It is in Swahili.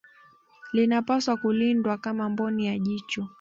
Linapaswa kulindwa kama mboni ya jicho